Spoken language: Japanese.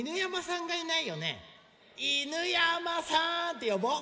「犬山さん！」ってよぼう！